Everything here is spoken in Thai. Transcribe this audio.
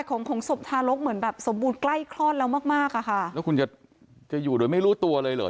ของของศพทารกเหมือนแบบสมบูรณ์ใกล้คลอดแล้วมากมากอ่ะค่ะแล้วคุณจะจะอยู่โดยไม่รู้ตัวเลยเหรอ